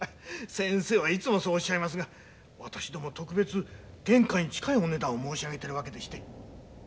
先生はいつもそうおっしゃいますが私ども特別原価に近いお値段を申し上げてる訳でして。